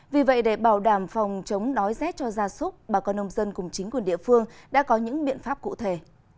vì vậy để bảo đảm phòng chống đói rét cho gia súc bà con nông dân cùng chính quyền địa phương đã có những biện pháp cụ thể